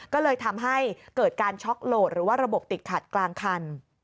ก็เลยทำให้เกิดการช็อกโหลดหรือว่าระบบติดขัดกลางคัน